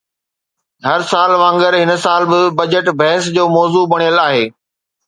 هر سال وانگر هن سال به بجيٽ بحث جو موضوع بڻيل آهي